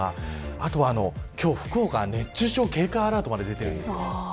あと今日、福岡は熱中症警戒アラートまで出ているんです。